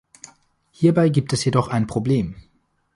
Hierbei gibt es jedoch ein Problem.